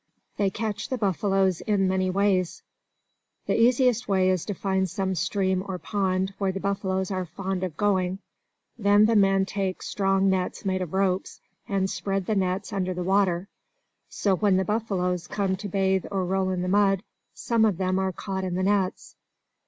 They catch the buffaloes in many ways. The easiest way is to find some stream or pond where the buffaloes are fond of going. Then the men take strong nets made of ropes, and spread the nets under the water. So when the buffaloes come to bathe or roll in the mud, some of them are caught in the nets.